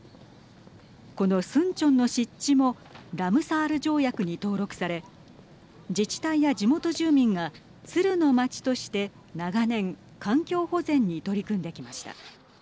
このスンチョンの湿地もラムサール条約に登録され自治体や地元住民がツルのまちとして長年環境保全に取り組んできました。